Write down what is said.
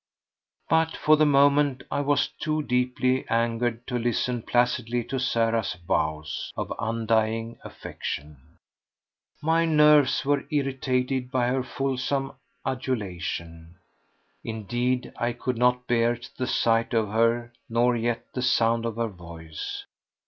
But for the moment I was too deeply angered to listen placidly to Sarah's vows of undying affection. My nerves were irritated by her fulsome adulation; indeed, I could not bear the sight of her nor yet the sound of her voice.